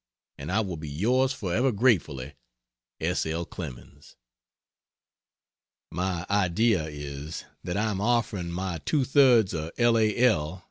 And I will be yours forever gratefully, S. L. CLEMENS. My idea is, that I am offering my 2/3 of L. A. L.